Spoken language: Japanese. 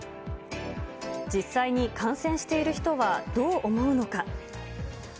実際に感染している人はどう思うのか。